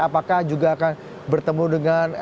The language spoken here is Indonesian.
apakah juga akan bertemu dengan